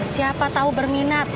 siapa tau berminat